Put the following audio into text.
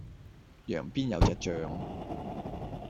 羊邊有隻象